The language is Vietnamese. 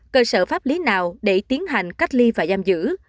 cơ sở pháp lý nào để tiến hành cách ly và giam giữ